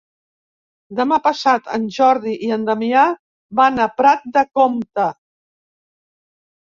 Demà passat en Jordi i en Damià van a Prat de Comte.